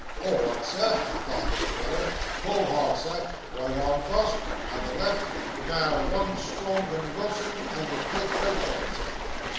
'All right, sir,' replied Mr. Weller. 'Hold hard, sir. Right arm fust—now the left—now one strong conwulsion, and the great coat's on, sir.